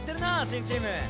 新チーム。